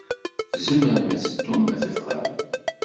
Tzemrem ad teddum, ma tebɣam.